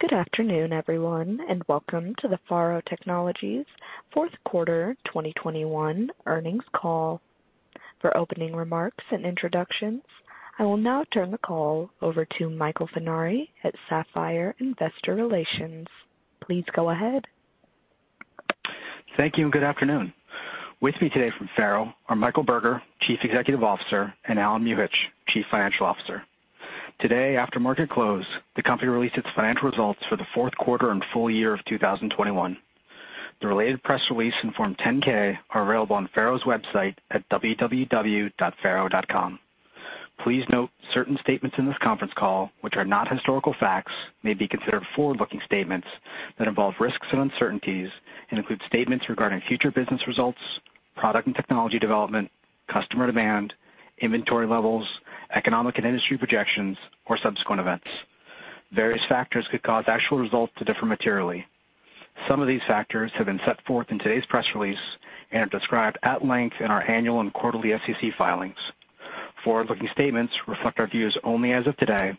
Good afternoon, everyone, and welcome to the FARO Technologies fourth quarter 2021 earnings call. For opening remarks and introductions, I will now turn the call over to Michael Funari at Sapphire Investor Relations. Please go ahead. Thank you and good afternoon. With me today from FARO are Michael Burger, Chief Executive Officer, and Allen Muhich, Chief Financial Officer. Today, after market close, the company released its financial results for the fourth quarter and full year of 2021. The related press release and Form 10-K are available on FARO's website at www.faro.com. Please note certain statements in this conference call, which are not historical facts, may be considered forward-looking statements that involve risks and uncertainties and include statements regarding future business results, product and technology development, customer demand, inventory levels, economic and industry projections, or subsequent events. Various factors could cause actual results to differ materially. Some of these factors have been set forth in today's press release and are described at length in our annual and quarterly SEC filings. Forward-looking statements reflect our views only as of today,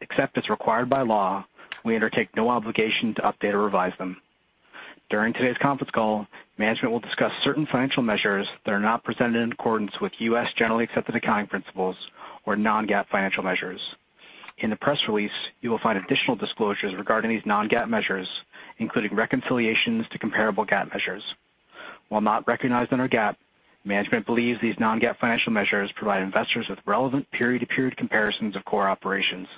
except as required by law, we undertake no obligation to update or revise them. During today's conference call, management will discuss certain financial measures that are not presented in accordance with U.S. generally accepted accounting principles or non-GAAP financial measures. In the press release, you will find additional disclosures regarding these non-GAAP measures, including reconciliations to comparable GAAP measures. While not recognized under GAAP, management believes these non-GAAP financial measures provide investors with relevant period-to-period comparisons of core operations.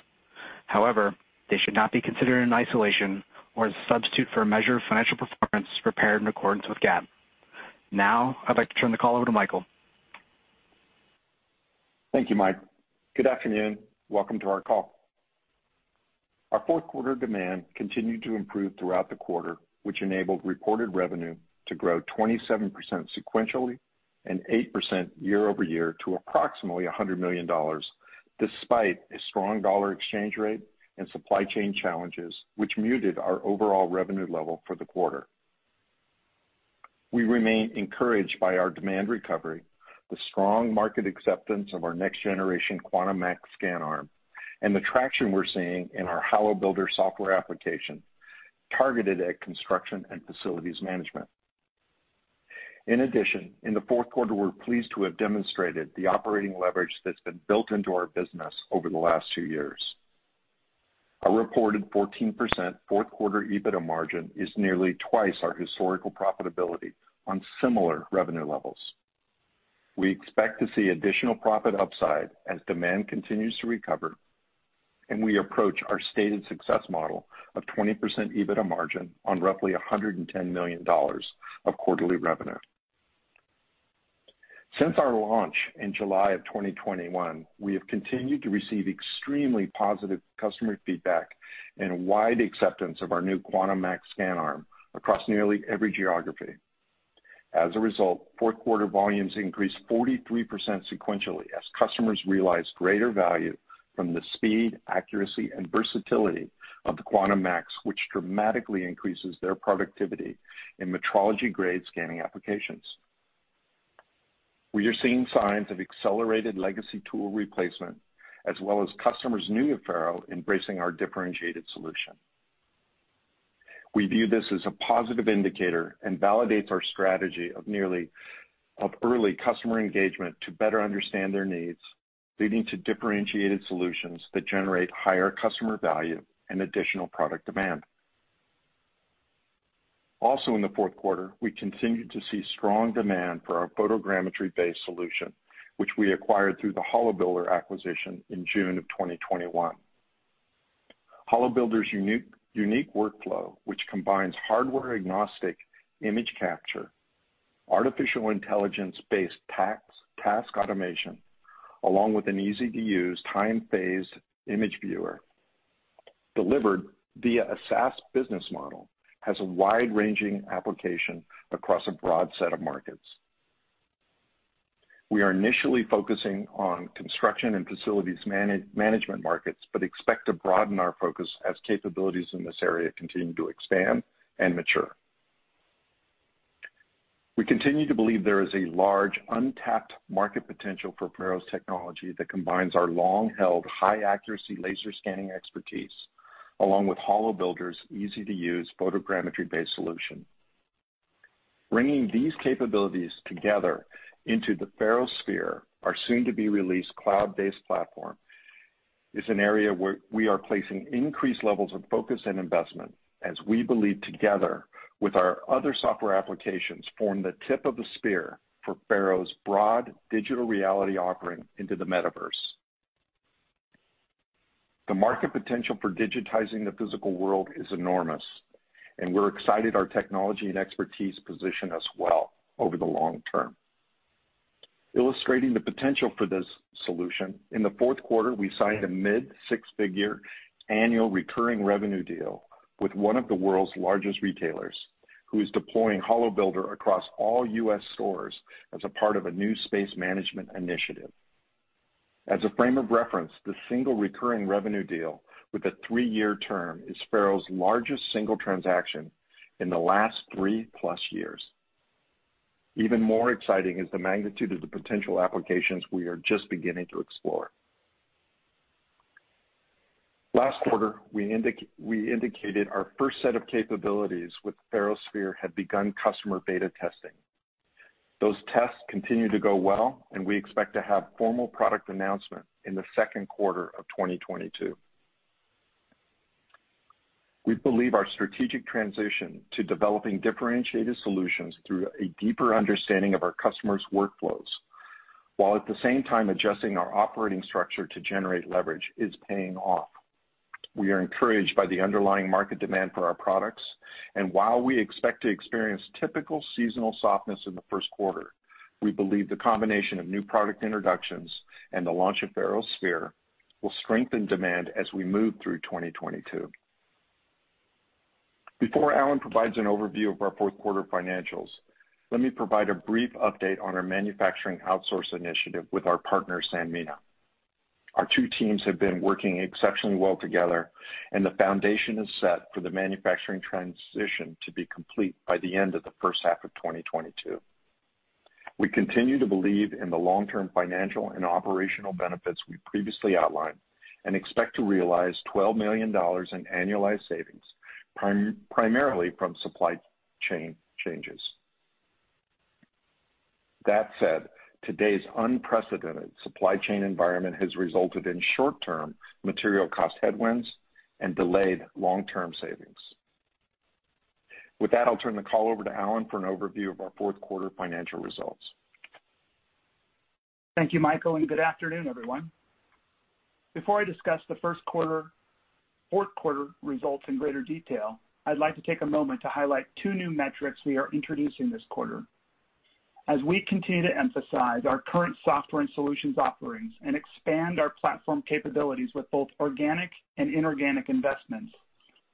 However, they should not be considered in isolation or as a substitute for a measure of financial performance prepared in accordance with GAAP. Now, I'd like to turn the call over to Michael. Thank you, Mike. Good afternoon. Welcome to our call. Our fourth quarter demand continued to improve throughout the quarter, which enabled reported revenue to grow 27% sequentially and 8% year-over-year to approximately $100 million despite a strong dollar exchange rate and supply chain challenges which muted our overall revenue level for the quarter. We remain encouraged by our demand recovery, the strong market acceptance of our next generation Quantum Max ScanArm, and the traction we're seeing in our HoloBuilder software application targeted at construction and facilities management. In addition, in the fourth quarter, we're pleased to have demonstrated the operating leverage that's been built into our business over the last two years. Our reported 14% fourth quarter EBITDA margin is nearly twice our historical profitability on similar revenue levels. We expect to see additional profit upside as demand continues to recover, and we approach our stated success model of 20% EBITDA margin on roughly $110 million of quarterly revenue. Since our launch in July 2021, we have continued to receive extremely positive customer feedback and wide acceptance of our new Quantum Max ScanArm across nearly every geography. As a result, fourth quarter volumes increased 43% sequentially as customers realized greater value from the speed, accuracy, and versatility of the Quantum Max ScanArm, which dramatically increases their productivity in metrology-grade scanning applications. We are seeing signs of accelerated legacy tool replacement as well as customers new to FARO embracing our differentiated solution. We view this as a positive indicator and validates our strategy of early customer engagement to better understand their needs, leading to differentiated solutions that generate higher customer value and additional product demand. Also in the fourth quarter, we continued to see strong demand for our photogrammetry-based solution, which we acquired through the HoloBuilder acquisition in June of 2021. HoloBuilder's unique workflow, which combines hardware-agnostic image capture, artificial intelligence-based task automation, along with an easy-to-use time phase image viewer delivered via a SaaS business model, has a wide-ranging application across a broad set of markets. We are initially focusing on construction and facilities management markets, but expect to broaden our focus as capabilities in this area continue to expand and mature. We continue to believe there is a large untapped market potential for FARO's technology that combines our long-held high accuracy laser scanning expertise, along with HoloBuilder's easy-to-use photogrammetry-based solution. Bringing these capabilities together into the FARO Sphere, our soon-to-be-released cloud-based platform, is an area where we are placing increased levels of focus and investment as we believe together with our other software applications form the tip of the spear for FARO's broad digital reality offering into the metaverse. The market potential for digitizing the physical world is enormous, and we're excited our technology and expertise position us well over the long term. Illustrating the potential for this solution, in the fourth quarter, we signed a mid-six-figure annual recurring revenue deal with one of the world's largest retailers who is deploying HoloBuilder across all U.S. stores as a part of a new space management initiative. As a frame of reference, the single recurring revenue deal with a three-year term is FARO's largest single transaction in the last three-plus years. Even more exciting is the magnitude of the potential applications we are just beginning to explore. Last quarter, we indicated our first set of capabilities with FARO Sphere had begun customer beta testing. Those tests continue to go well, and we expect to have formal product announcement in the second quarter of 2022. We believe our strategic transition to developing differentiated solutions through a deeper understanding of our customers' workflows, while at the same time adjusting our operating structure to generate leverage, is paying off. We are encouraged by the underlying market demand for our products. While we expect to experience typical seasonal softness in the first quarter, we believe the combination of new product introductions and the launch of FARO Sphere will strengthen demand as we move through 2022. Before Allen provides an overview of our fourth quarter financials, let me provide a brief update on our manufacturing outsource initiative with our partner, Sanmina. Our two teams have been working exceptionally well together, and the foundation is set for the manufacturing transition to be complete by the end of the first half of 2022. We continue to believe in the long-term financial and operational benefits we previously outlined and expect to realize $12 million in annualized savings, primarily from supply chain changes. That said, today's unprecedented supply chain environment has resulted in short-term material cost headwinds and delayed long-term savings. With that, I'll turn the call over to Allen for an overview of our fourth quarter financial results. Thank you, Michael, and good afternoon, everyone. Before I discuss the fourth quarter results in greater detail, I'd like to take a moment to highlight two new metrics we are introducing this quarter. As we continue to emphasize our current software and solutions offerings and expand our platform capabilities with both organic and inorganic investments,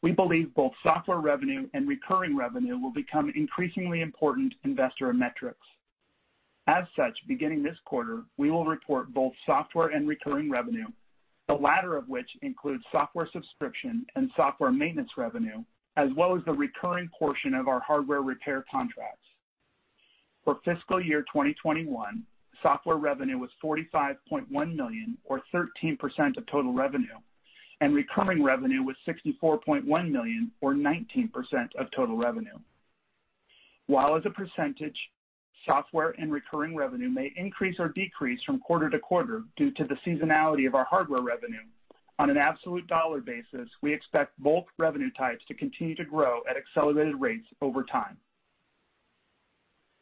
we believe both software revenue and recurring revenue will become increasingly important investor metrics. As such, beginning this quarter, we will report both software and recurring revenue, the latter of which includes software subscription and software maintenance revenue, as well as the recurring portion of our hardware repair contracts. For fiscal year 2021, software revenue was $45.1 million or 13% of total revenue, and recurring revenue was $64.1 million or 19% of total revenue. While as a percentage, software and recurring revenue may increase or decrease from quarter to quarter due to the seasonality of our hardware revenue, on an absolute dollar basis, we expect both revenue types to continue to grow at accelerated rates over time.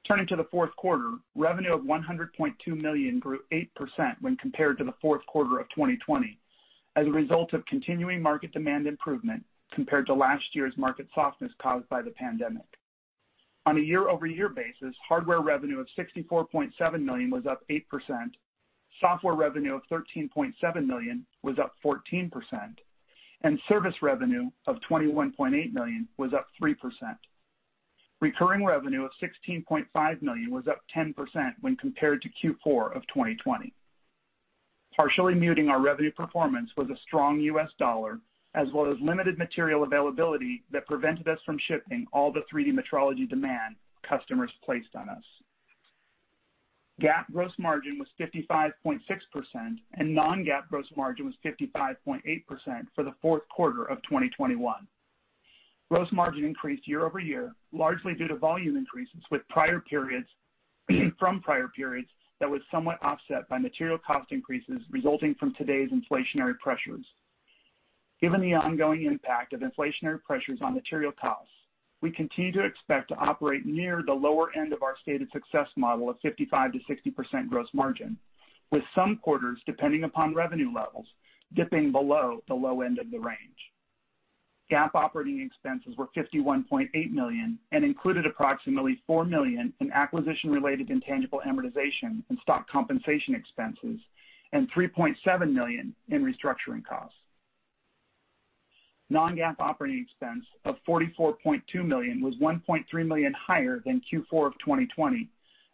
Turning to the fourth quarter, revenue of $102 million grew 8% when compared to the fourth quarter of 2020, as a result of continuing market demand improvement compared to last year's market softness caused by the pandemic. On a year-over-year basis, hardware revenue of $64.7 million was up 8%, software revenue of $13.7 million was up 14%, and service revenue of $21.8 million was up 3%. Recurring revenue of $16.5 million was up 10% when compared to Q4 of 2020. Partially muting our revenue performance was a strong U.S. dollar as well as limited material availability that prevented us from shipping all the 3D Metrology demand customers placed on us. GAAP gross margin was 55.6%, and non-GAAP gross margin was 55.8% for the fourth quarter of 2021. Gross margin increased year-over-year, largely due to volume increases from prior periods that was somewhat offset by material cost increases resulting from today's inflationary pressures. Given the ongoing impact of inflationary pressures on material costs, we continue to expect to operate near the lower end of our stated success model of 55%-60% gross margin, with some quarters, depending upon revenue levels, dipping below the low end of the range. GAAP operating expenses were $51.8 million and included approximately $4 million in acquisition-related intangible amortization and stock compensation expenses and $3.7 million in restructuring costs. Non-GAAP operating expense of $44.2 million was $1.3 million higher than Q4 of 2020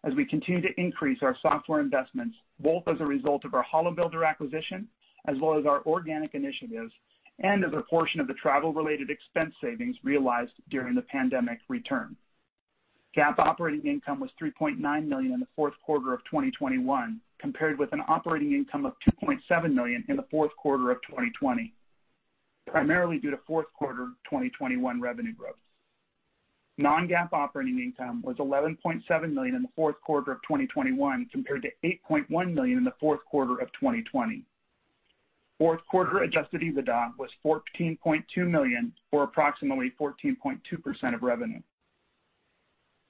as we continue to increase our software investments both as a result of our HoloBuilder acquisition as well as our organic initiatives and as a portion of the travel-related expense savings realized during the pandemic return. GAAP operating income was $3.9 million in the fourth quarter of 2021, compared with an operating income of $2.7 million in the fourth quarter of 2020, primarily due to fourth quarter 2021 revenue growth. Non-GAAP operating income was $11.7 million in the fourth quarter of 2021 compared to $8.1 million in the fourth quarter of 2020. Fourth quarter adjusted EBITDA was $14.2 million, or approximately 14.2% of revenue.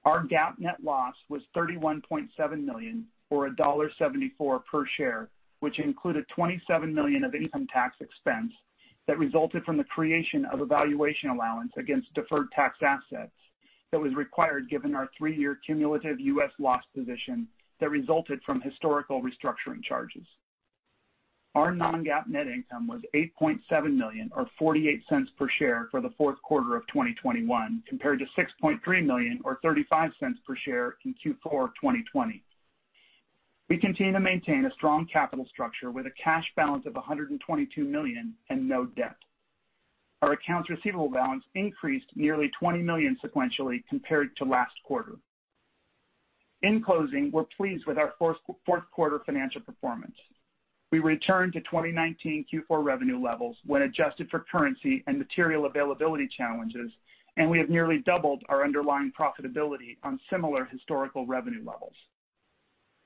Our GAAP net loss was $31.7 million, or $1.74 per share, which included $27 million of income tax expense that resulted from the creation of a valuation allowance against deferred tax assets that was required given our three-year cumulative U.S. loss position that resulted from historical restructuring charges. Our non-GAAP net income was $8.7 million, or $0.48 per share for the fourth quarter of 2021, compared to $6.3 million or $0.35 per share in Q4 2020. We continue to maintain a strong capital structure with a cash balance of $122 million and no debt. Our accounts receivable balance increased nearly $20 million sequentially compared to last quarter. In closing, we're pleased with our fourth quarter financial performance. We returned to 2019 Q4 revenue levels when adjusted for currency and material availability challenges, and we have nearly doubled our underlying profitability on similar historical revenue levels.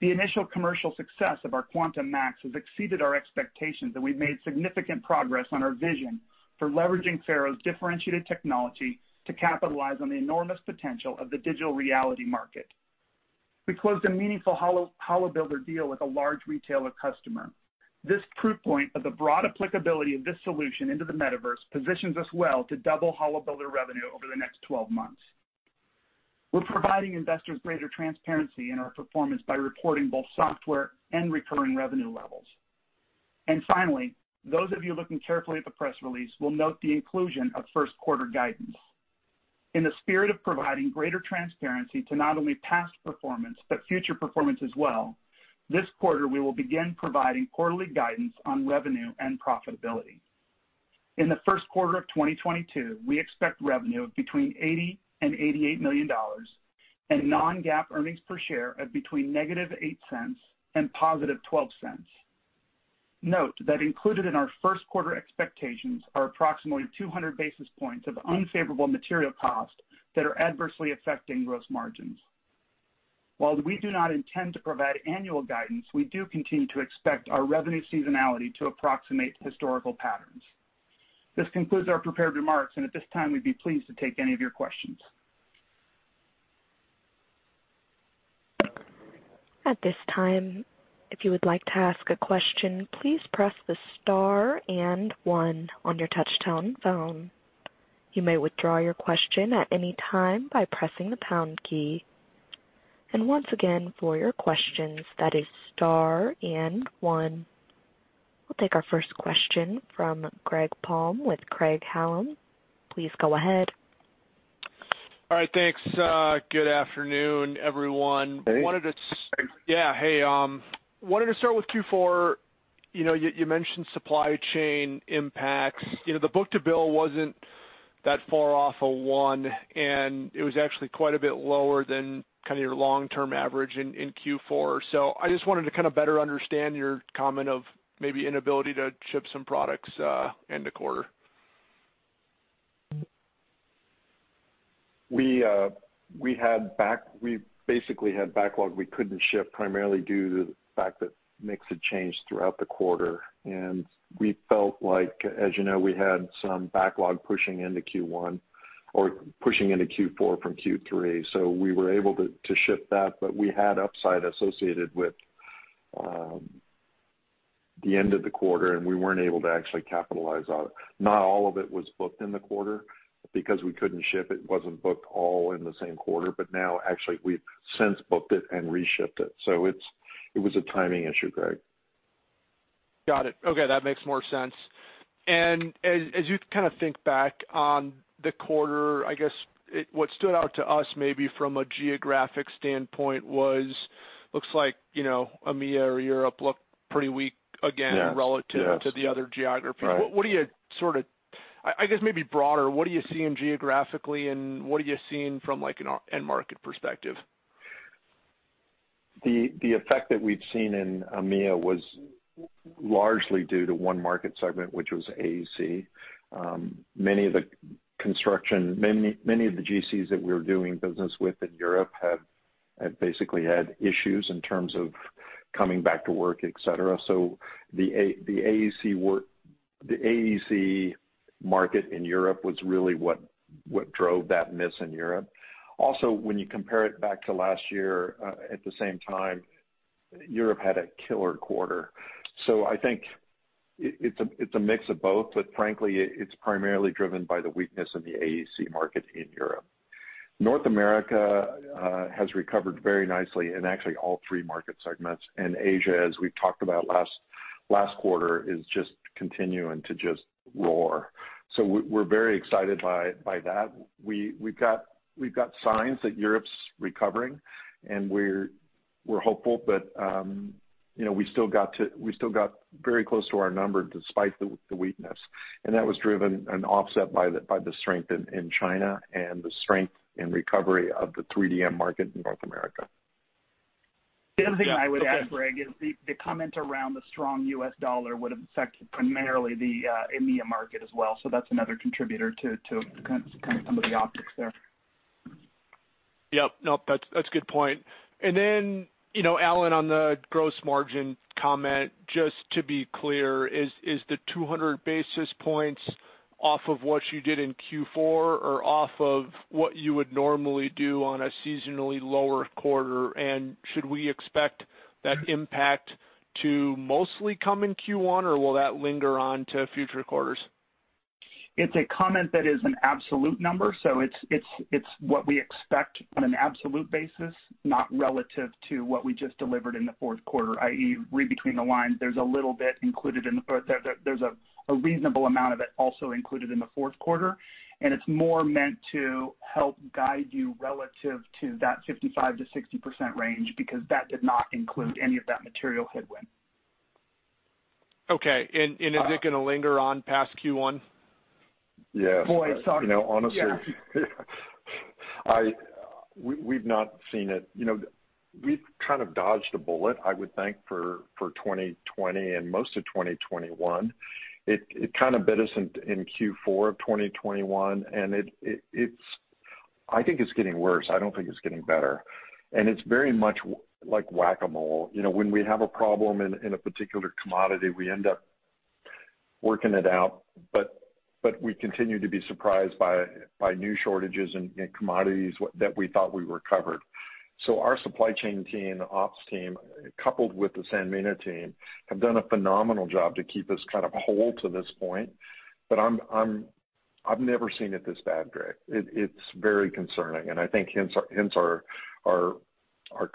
The initial commercial success of our Quantum Max has exceeded our expectations, and we've made significant progress on our vision for leveraging FARO's differentiated technology to capitalize on the enormous potential of the digital reality market. We closed a meaningful HoloBuilder deal with a large retailer customer. This proof point of the broad applicability of this solution into the metaverse positions us well to double HoloBuilder revenue over the next 12 months. We're providing investors greater transparency in our performance by reporting both software and recurring revenue levels. Finally, those of you looking carefully at the press release will note the inclusion of first quarter guidance. In the spirit of providing greater transparency to not only past performance but future performance as well, this quarter we will begin providing quarterly guidance on revenue and profitability. In the first quarter of 2022, we expect revenue of between $80 million and $88 million and non-GAAP earnings per share of between -$0.08 and +$0.12. Note that included in our first quarter expectations are approximately 200 basis points of unfavorable material costs that are adversely affecting gross margins. While we do not intend to provide annual guidance, we do continue to expect our revenue seasonality to approximate historical patterns. This concludes our prepared remarks, and at this time, we'd be pleased to take any of your questions. At this time, if you would like to ask a question, please press the star and one on your touch-tone phone. You may withdraw your question at any time by pressing the pound key. Once again, for your questions, that is star and one. We'll take our first question from Greg Palm with Craig-Hallum. Please go ahead. All right. Thanks. Good afternoon, everyone. Hey. Hey, wanted to start with Q4. You know, you mentioned supply chain impacts. You know, the book-to-bill wasn't that far off of one, and it was actually quite a bit lower than kind of your long-term average in Q4. I just wanted to kind of better understand your comment of maybe inability to ship some products end of quarter. We basically had backlog we couldn't ship primarily due to the fact that mix had changed throughout the quarter. We felt like, as you know, we had some backlog pushing into Q1 or pushing into Q4 from Q3. We were able to ship that. We had upside associated with the end of the quarter, and we weren't able to actually capitalize on it. Not all of it was booked in the quarter because we couldn't ship it. It wasn't booked all in the same quarter, but now actually we've since booked it and reshipped it. It was a timing issue, Greg. Got it. Okay, that makes more sense. As you kind of think back on the quarter, I guess what stood out to us maybe from a geographic standpoint was looks like, you know, EMEA or Europe looked pretty weak again. Yeah, yeah. relative to the other geographies. Right. What do you sort of, I guess maybe broader, what are you seeing geographically and what are you seeing from, like, an end market perspective? The effect that we've seen in EMEA was largely due to one market segment, which was AEC. Many of the GCs that we're doing business with in Europe have basically had issues in terms of coming back to work, et cetera. The AEC market in Europe was really what drove that miss in Europe. Also, when you compare it back to last year, at the same time, Europe had a killer quarter. I think it's a mix of both, but frankly it's primarily driven by the weakness in the AEC market in Europe. North America has recovered very nicely in actually all three market segments. Asia, as we talked about last quarter, is just continuing to roar. We're very excited by that. We've got signs that Europe's recovering and we're hopeful. You know, we still got very close to our number despite the weakness. That was driven and offset by the strength in China and the strength in recovery of the 3D metrology market in North America. The other thing I would add, Greg, is the comment around the strong U.S. dollar would affect primarily the EMEA market as well. That's another contributor to kind of some of the optics there. Yep. Nope, that's a good point. You know, Allen, on the gross margin comment, just to be clear, is the 200 basis points off of what you did in Q4 or off of what you would normally do on a seasonally lower quarter? Should we expect that impact to mostly come in Q1 or will that linger on to future quarters? It's a comment that is an absolute number. It's what we expect on an absolute basis, not relative to what we just delivered in the fourth quarter, i.e., read between the lines. There's a little bit included in the fourth quarter or there's a reasonable amount of it also included in the fourth quarter, and it's more meant to help guide you relative to that 55%-60% range because that did not include any of that material headwind. Okay. Is it gonna linger on past Q1? Yes. Boy, it sounds. You know, honestly. Yeah. We, we've not seen it. You know, we've kind of dodged a bullet, I would think, for 2020 and most of 2021. It kind of bit us in Q4 of 2021, and it's getting worse. I don't think it's getting better. It's very much like whack-a-mole. You know, when we have a problem in a particular commodity, we end up working it out. We continue to be surprised by new shortages in commodities that we thought we were covered. Our supply chain team, ops team, coupled with the Sanmina team, have done a phenomenal job to keep us kind of whole to this point. I've never seen it this bad, Greg. It's very concerning, and I think hence our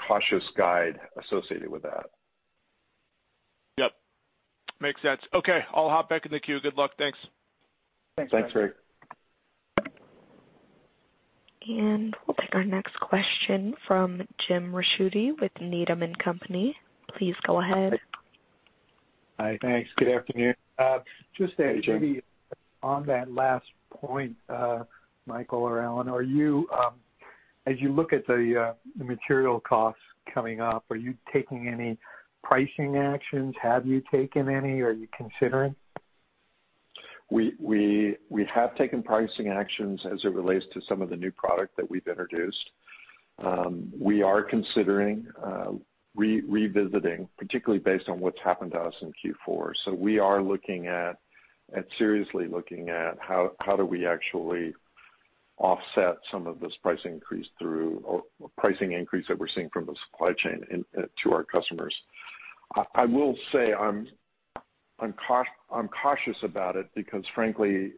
cautious guide associated with that. Yep. Makes sense. Okay, I'll hop back in the queue. Good luck. Thanks. Thanks, Greg. We'll take our next question from Jim Ricchiuti with Needham & Company. Please go ahead. Hi, thanks. Good afternoon. Hey, Jim. Maybe on that last point, Michael or Allen, are you, as you look at the material costs coming up, are you taking any pricing actions? Have you taken any? Are you considering? We have taken pricing actions as it relates to some of the new product that we've introduced. We are considering revisiting, particularly based on what's happened to us in Q4. We are looking at, and seriously looking at how do we actually offset some of this price increase through our pricing increase that we're seeing from the supply chain into our customers. I will say I'm cautious about it because frankly,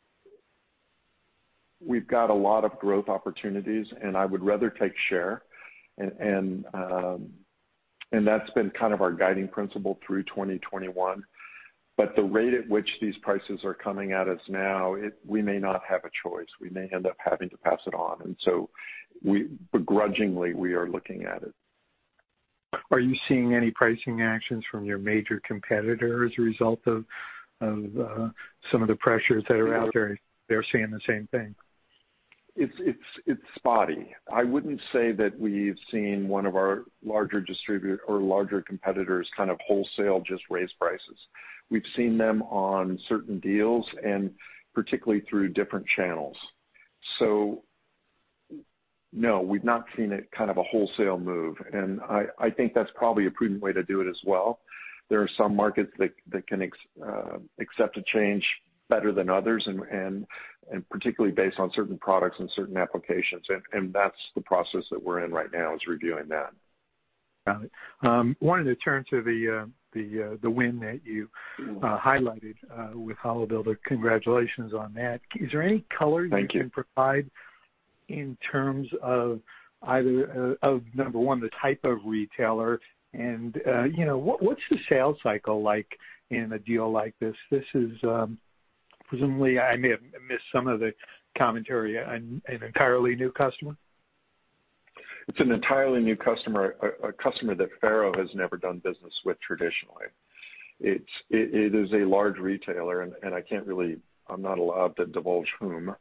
we've got a lot of growth opportunities, and I would rather take share and that's been kind of our guiding principle through 2021. The rate at which these prices are coming at us now, we may not have a choice. We may end up having to pass it on. Begrudgingly, we are looking at it. Are you seeing any pricing actions from your major competitors as a result of some of the pressures that are out there? They're seeing the same thing. It's spotty. I wouldn't say that we've seen one of our larger distributor or larger competitors kind of wholesale just raise prices. We've seen them on certain deals and particularly through different channels. No, we've not seen a kind of a wholesale move, and I think that's probably a prudent way to do it as well. There are some markets that can accept a change better than others, particularly based on certain products and certain applications. That's the process that we're in right now is reviewing that. Got it. Wanted to turn to the win that you highlighted with HoloBuilder. Congratulations on that. Is there any color- Thank you. You can provide in terms of either of, number one, the type of retailer and, you know, what's the sales cycle like in a deal like this? This is, presumably I may have missed some of the commentary, an entirely new customer? It's an entirely new customer, a customer that FARO has never done business with traditionally. It is a large retailer and I'm not allowed to divulge whom.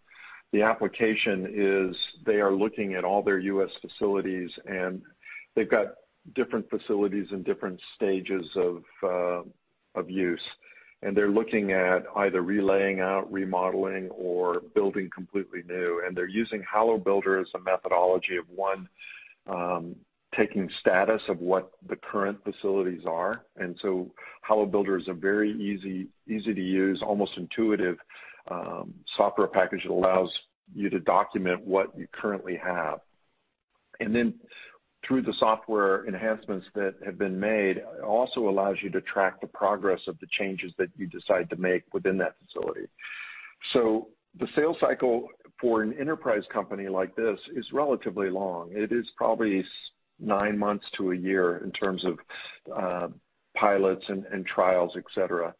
The application is they are looking at all their U.S. facilities, and they've got different facilities in different stages of use. They're looking at either relaying out, remodeling or building completely new. They're using HoloBuilder as a methodology of taking status of what the current facilities are. HoloBuilder is a very easy-to-use, almost intuitive software package that allows you to document what you currently have. Then through the software enhancements that have been made, it also allows you to track the progress of the changes that you decide to make within that facility. The sales cycle for an enterprise company like this is relatively long. It is probably nine months to a year in terms of pilots and trials, et cetera.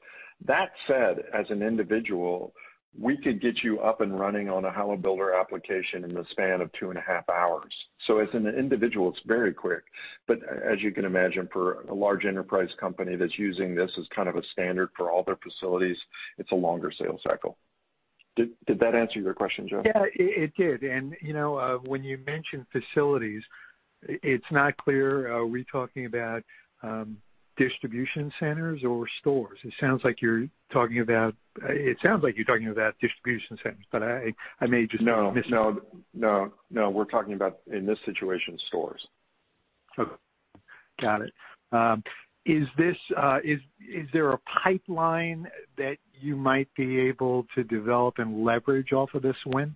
That said, as an individual, we could get you up and running on a HoloBuilder application in the span of 2.5 hours. As an individual, it's very quick. As you can imagine, for a large enterprise company that's using this as kind of a standard for all their facilities, it's a longer sales cycle. Did that answer your question, Jim? Yeah, it did. You know, when you mention facilities, it's not clear, are we talking about distribution centers or stores? It sounds like you're talking about distribution centers, but I may just- No. be missing. No, we're talking about in this situation, stores. Okay. Got it. Is there a pipeline that you might be able to develop and leverage off of this win?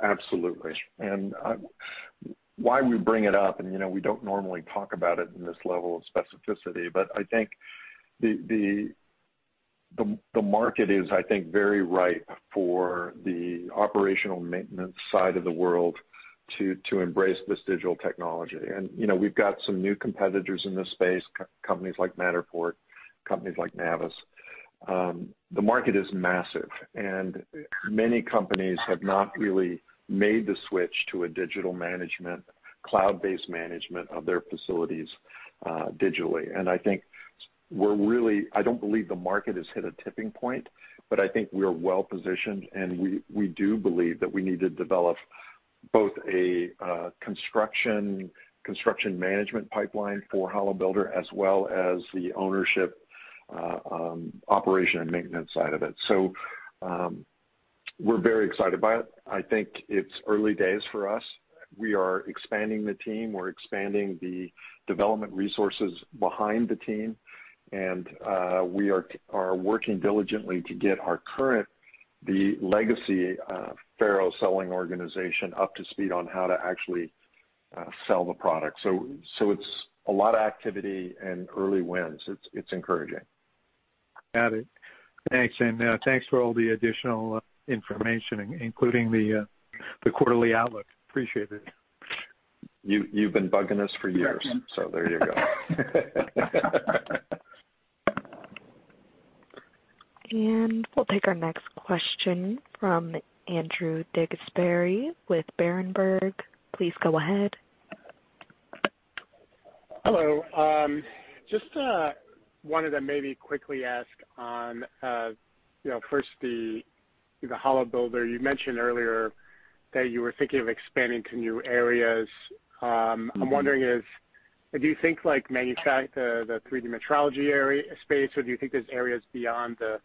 Absolutely. Why we bring it up and, you know, we don't normally talk about it in this level of specificity, but I think the market is, I think, very ripe for the operational maintenance side of the world to embrace this digital technology. You know, we've got some new competitors in this space, companies like Matterport, companies like NavVis. The market is massive, and many companies have not really made the switch to a digital management, cloud-based management of their facilities, digitally. I think we're really. I don't believe the market has hit a tipping point, but I think we are well-positioned, and we do believe that we need to develop both a construction management pipeline for HoloBuilder as well as the ownership, operation and maintenance side of it. We're very excited about it. I think it's early days for us. We are expanding the team. We're expanding the development resources behind the team. We are working diligently to get our current, the legacy, FARO selling organization up to speed on how to actually sell the product. It's a lot of activity and early wins. It's encouraging. Got it. Thanks. Thanks for all the additional information, including the quarterly outlook. Appreciate it. You, you've been bugging us for years, so there you go. We'll take our next question from Andrew DeGasperi with Berenberg. Please go ahead. Hello. Just wanted to maybe quickly ask on, you know, first the HoloBuilder. You mentioned earlier that you were thinking of expanding to new areas. I'm wondering if, do you think, like, the 3D Metrology area, space, or do you think there's areas beyond the,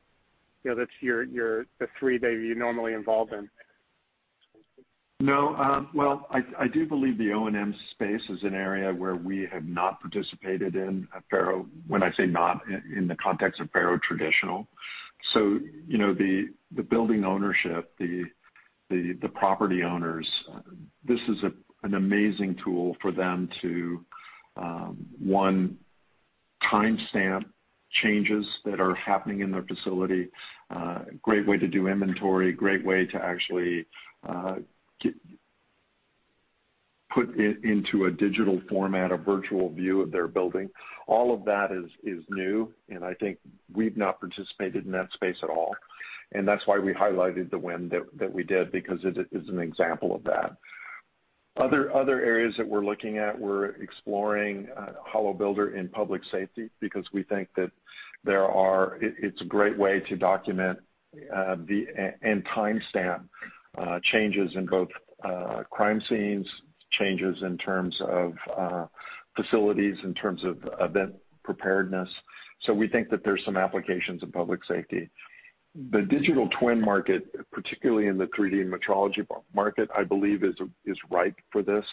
you know, that's your the three that you're normally involved in? No. Well, I do believe the O&M space is an area where we have not participated in at FARO. When I say not, in the context of FARO traditional. You know, the building ownership, the property owners, this is an amazing tool for them to, one, timestamp changes that are happening in their facility, great way to do inventory, great way to actually, put it into a digital format, a virtual view of their building. All of that is new, and I think we've not participated in that space at all. That's why we highlighted the win that we did because it is an example of that. Other areas that we're looking at, we're exploring HoloBuilder in public safety because we think that there are. It's a great way to document and timestamp changes in both crime scenes, changes in terms of facilities, in terms of event preparedness. We think that there's some applications in public safety. The digital twin market, particularly in the 3D Metrology market, I believe is ripe for this,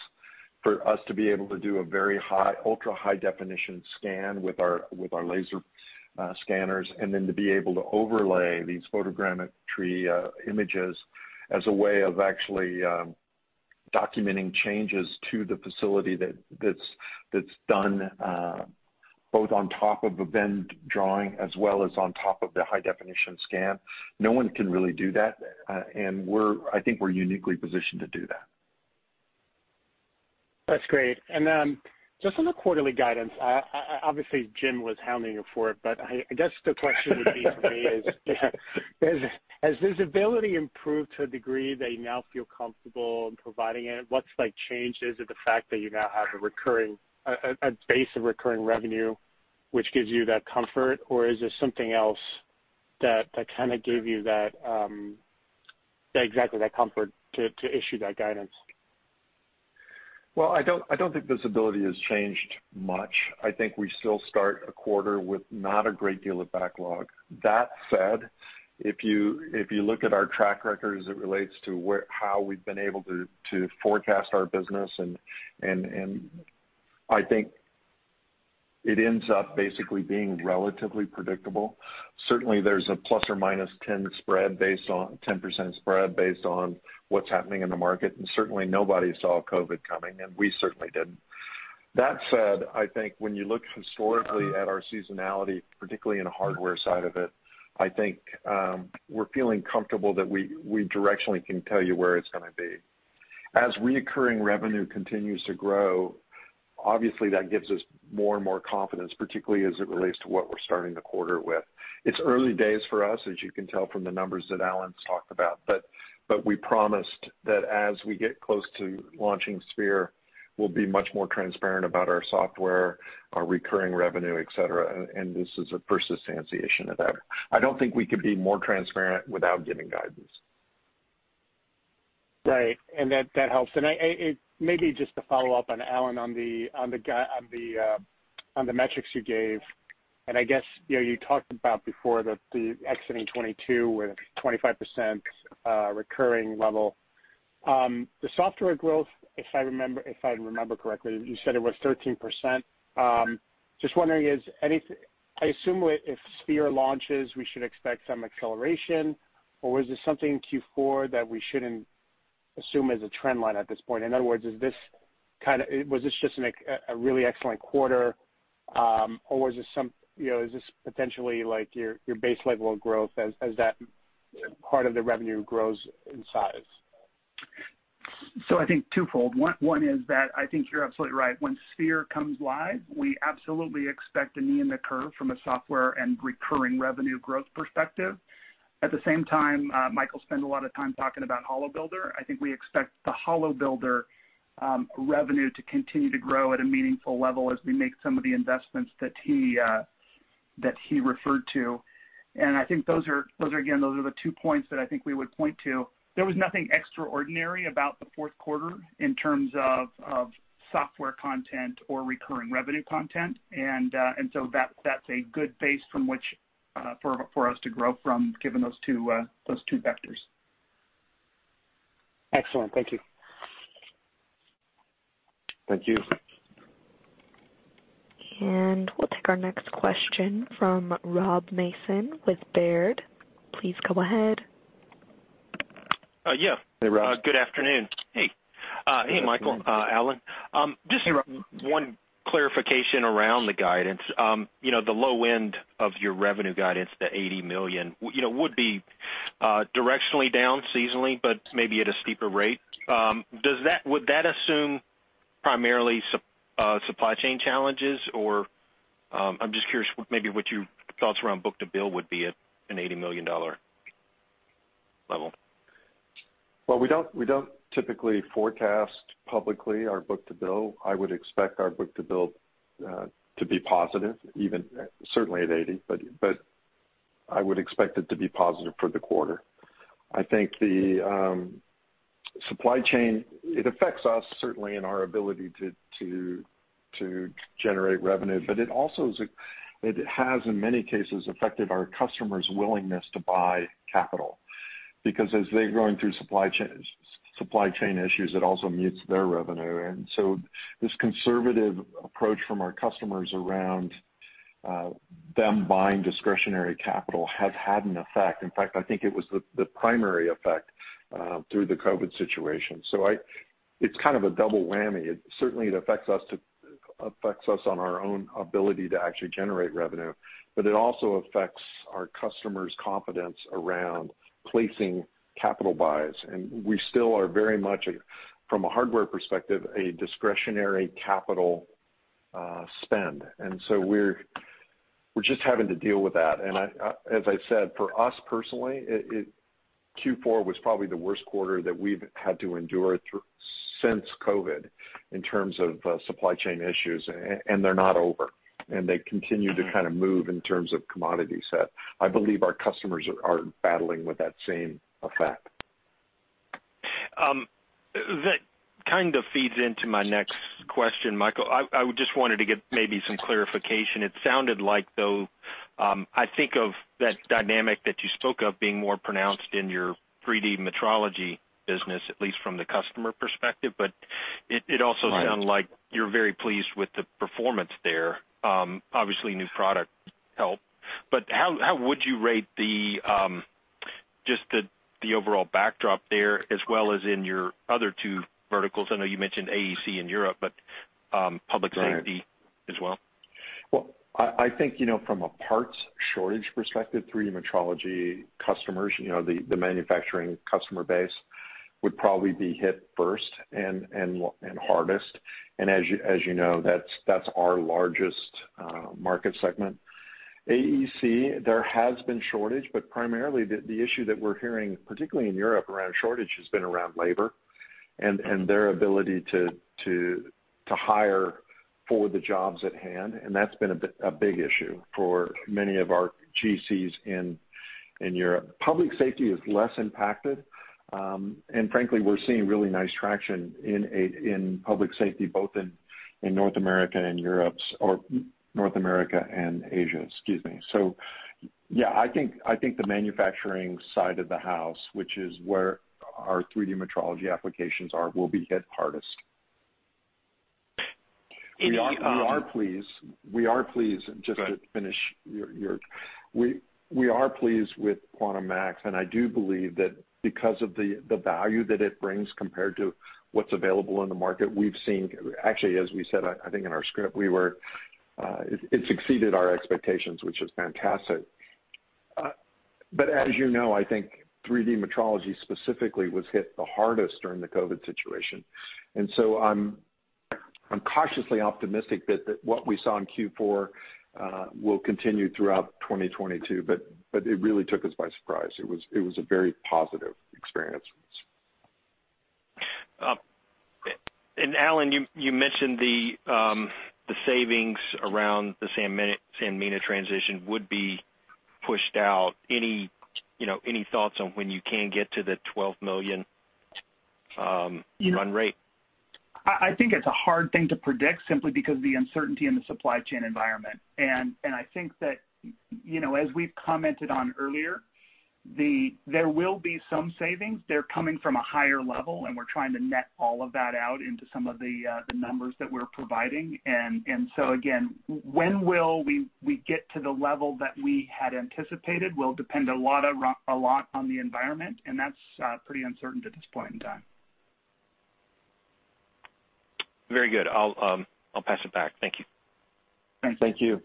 for us to be able to do an ultra-high-definition scan with our laser scanners, and then to be able to overlay these photogrammetry images as a way of actually documenting changes to the facility that's done both on top of a BIM drawing as well as on top of the high-definition scan. No one can really do that. I think we're uniquely positioned to do that. That's great. Just on the quarterly guidance, I obviously Jim was hounding you for it, but I guess the question would be for me is, has visibility improved to a degree that you now feel comfortable in providing it? What's like changed? Is it the fact that you now have a recurring base of recurring revenue which gives you that comfort? Or is there something else that kind of gave you that exactly that comfort to issue that guidance? Well, I don't think visibility has changed much. I think we still start a quarter with not a great deal of backlog. That said, if you look at our track record as it relates to how we've been able to forecast our business, and I think it ends up basically being relatively predictable. Certainly, there's a ±10% spread based on what's happening in the market, and certainly nobody saw COVID coming, and we certainly didn't. That said, I think when you look historically at our seasonality, particularly in the hardware side of it, I think we're feeling comfortable that we directionally can tell you where it's gonna be. As recurring revenue continues to grow, obviously that gives us more and more confidence, particularly as it relates to what we're starting the quarter with. It's early days for us, as you can tell from the numbers that Alan's talked about. We promised that as we get close to launching Sphere, we'll be much more transparent about our software, our recurring revenue, et cetera, and this is an instantiation of that. I don't think we could be more transparent without giving guidance. Right. That helps. Maybe just to follow up on Allen on the metrics you gave, and I guess, you know, you talked about before the exiting 2022 with a 25% recurring level. The software growth, if I remember correctly, you said it was 13%. Just wondering, if Sphere launches, we should expect some acceleration, or was there something in Q4 that we shouldn't assume as a trend line at this point? In other words, is this kinda was this just a really excellent quarter, or you know, is this potentially like your base level of growth as that part of the revenue grows in size? I think twofold. One is that I think you're absolutely right. When Sphere comes live, we absolutely expect a knee in the curve from a software and recurring revenue growth perspective. At the same time, Michael spent a lot of time talking about HoloBuilder. I think we expect the HoloBuilder revenue to continue to grow at a meaningful level as we make some of the investments that he referred to. I think those are the two points that I think we would point to. There was nothing extraordinary about the fourth quarter in terms of software content or recurring revenue content. That's a good base from which for us to grow from, given those two vectors. Excellent. Thank you. Thank you. We'll take our next question from Rob Mason with Baird. Please go ahead. Yeah. Hey, Rob. Good afternoon. Hey, Michael, Alan. Just one clarification around the guidance. You know, the low end of your revenue guidance, the $80 million, you know, would be directionally down seasonally, but maybe at a steeper rate. Would that assume primarily supply chain challenges or, I'm just curious maybe what your thoughts around book-to-bill would be at an $80 million level. Well, we don't typically forecast publicly our book-to-bill. I would expect our book-to-bill to be positive, even certainly at 80, but I would expect it to be positive for the quarter. I think the supply chain affects us certainly in our ability to generate revenue. But it also has, in many cases, affected our customers' willingness to buy capital. Because as they're going through supply chain issues, it also mutes their revenue. This conservative approach from our customers around them buying discretionary capital has had an effect. In fact, I think it was the primary effect through the COVID situation. It's kind of a double whammy. It certainly affects us on our own ability to actually generate revenue, but it also affects our customers' confidence around placing capital buys. We still are very much, from a hardware perspective, a discretionary capital spend. We're just having to deal with that. I, as I said, for us personally, Q4 was probably the worst quarter that we've had to endure through since COVID in terms of supply chain issues, and they're not over, and they continue to kind of move in terms of commodity set. I believe our customers are battling with that same effect. That kind of feeds into my next question, Michael. I just wanted to get maybe some clarification. It sounded like, though, I think of that dynamic that you spoke of being more pronounced in your 3D Metrology business, at least from the customer perspective. It also- Right. It sounded like you're very pleased with the performance there. Obviously new product help. How would you rate just the overall backdrop there as well as in your other two verticals? I know you mentioned AEC in Europe, but public safety as well. Well, I think, you know, from a parts shortage perspective, 3D Metrology customers, you know, the manufacturing customer base would probably be hit first and hardest. As you know, that's our largest market segment. AEC, there has been shortage, but primarily the issue that we're hearing, particularly in Europe around shortage, has been around labor and their ability to hire for the jobs at hand. That's been a big issue for many of our GCs in Europe. Public safety is less impacted. Frankly, we're seeing really nice traction in public safety, both in North America and Europe, or North America and Asia, excuse me. Yeah, I think the manufacturing side of the house, which is where our 3D Metrology applications are, will be hit hardest. In the, um- We are pleased. Go ahead. We are pleased with Quantum Max, and I do believe that because of the value that it brings compared to what's available in the market, we've seen. Actually, as we said, I think in our script, it exceeded our expectations, which is fantastic. But as you know, I think 3D Metrology specifically was hit the hardest during the COVID situation. I'm cautiously optimistic that what we saw in Q4 will continue throughout 2022, but it really took us by surprise. It was a very positive experience for us. Allen, you mentioned the savings around the Sanmina transition would be pushed out. You know, any thoughts on when you can get to the $12 million run rate? I think it's a hard thing to predict simply because of the uncertainty in the supply chain environment. I think that, you know, as we've commented on earlier, there will be some savings. They're coming from a higher level, and we're trying to net all of that out into some of the numbers that we're providing. When will we get to the level that we had anticipated will depend a lot on the environment, and that's pretty uncertain at this point in time. Very good. I'll pass it back. Thank you. Thanks. Thank you.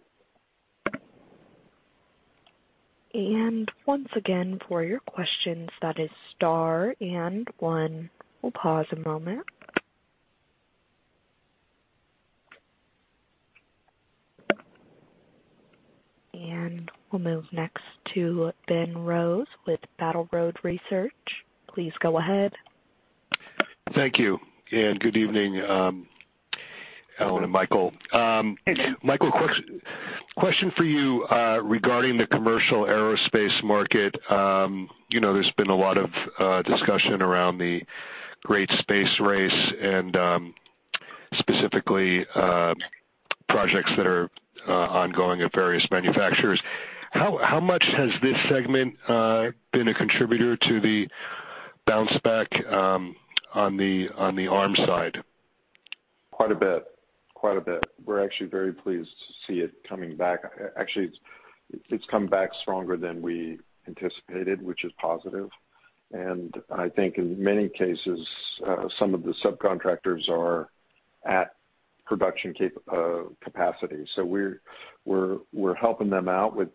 Once again, for your questions, that is star and one. We'll pause a moment. We'll move next to Ben Rose with Battle Road Research. Please go ahead. Thank you, and good evening, Allen and Michael. Hey, Ben. Michael, question for you regarding the commercial aerospace market. You know, there's been a lot of discussion around the great space race and specifically projects that are ongoing at various manufacturers. How much has this segment been a contributor to the bounce back on the arm side? Quite a bit. We're actually very pleased to see it coming back. Actually, it's come back stronger than we anticipated, which is positive. I think in many cases, some of the subcontractors are at production capacity. We're helping them out with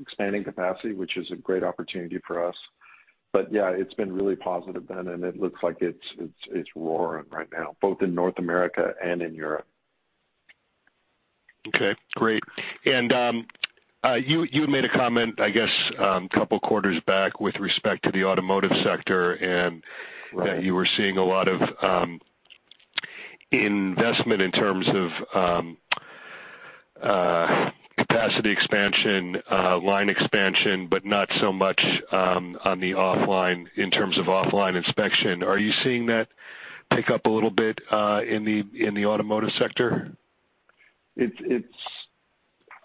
expanding capacity, which is a great opportunity for us. Yeah, it's been really positive, Ben, and it looks like it's roaring right now, both in North America and in Europe. Okay, great. You had made a comment, I guess, couple quarters back with respect to the automotive sector, and Right. That you were seeing a lot of investment in terms of capacity expansion, line expansion, but not so much on the offline in terms of offline inspection. Are you seeing that pick up a little bit in the automotive sector?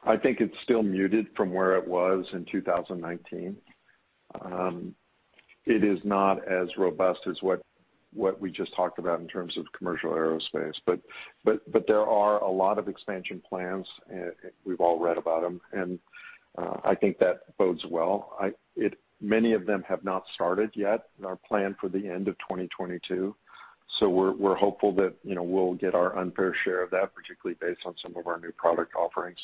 I think it's still muted from where it was in 2019. It is not as robust as what we just talked about in terms of commercial aerospace. There are a lot of expansion plans. We've all read about them, and I think that bodes well. Many of them have not started yet and are planned for the end of 2022, so we're hopeful that, you know, we'll get our unfair share of that, particularly based on some of our new product offerings.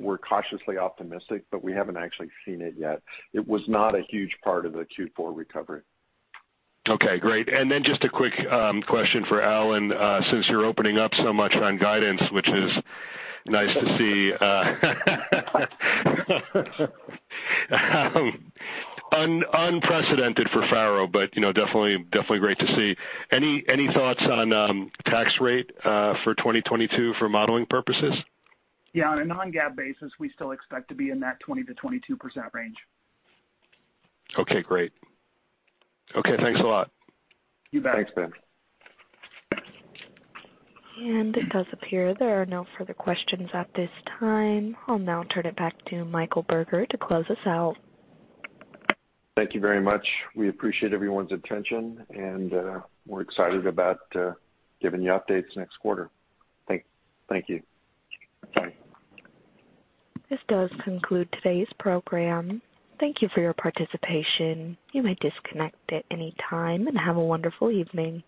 We're cautiously optimistic, but we haven't actually seen it yet. It was not a huge part of the Q4 recovery. Okay, great. Just a quick question for Allen, since you're opening up so much on guidance, which is nice to see. Unprecedented for FARO, but you know, definitely great to see. Any thoughts on tax rate for 2022 for modeling purposes? Yeah. On a non-GAAP basis, we still expect to be in that 20%-22% range. Okay, great. Okay, thanks a lot. You bet. Thanks, Ben. It does appear there are no further questions at this time. I'll now turn it back to Michael Burger to close us out. Thank you very much. We appreciate everyone's attention, and we're excited about giving you updates next quarter. Thank you. Bye. This does conclude today's program. Thank you for your participation. You may disconnect at any time, and have a wonderful evening.